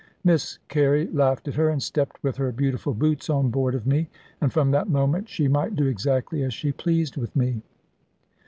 Miss Carey laughed at her, and stepped with her beautiful boots on board of me; and from that moment she might do exactly as she pleased with me.